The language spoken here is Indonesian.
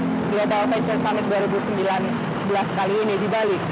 jadi ini adalah global venture summit dua ribu sembilan belas kali ini di bali